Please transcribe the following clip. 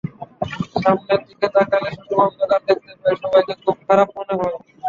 সামনের দিকে তাকালে শুধু অন্ধকার দেখতে পাই, সবাইকে খুব খারাপ মনে হয়।